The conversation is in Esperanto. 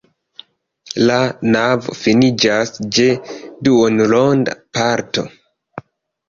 La navo finiĝas je duonronda parto.